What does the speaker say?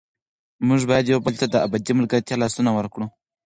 موږ باید یو بل ته د ابدي ملګرتیا لاسونه ورکړو.